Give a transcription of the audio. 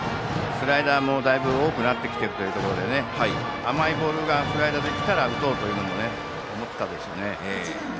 スライダーもだいぶ多くなってきているということであまりボールがスライダーで来たら打とうと思っていたでしょうね。